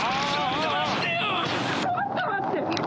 ちょっと待ってよ。